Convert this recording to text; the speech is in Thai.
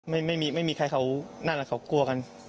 ไม่มีใครเขานั่นแหละเขากลัวกัน